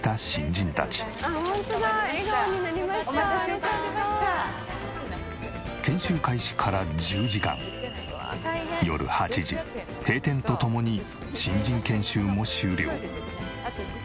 よかった」研修開始から１０時間夜８時閉店とともに新人研修も終了。